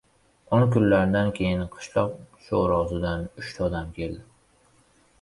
O‘n kunlardan keyin qishloq sho‘rosidan uchta odam keldi.